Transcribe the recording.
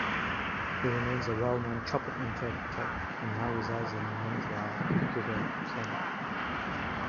He remains a well-known Chopin interpreter, and now resides in Montreal, Quebec, Canada.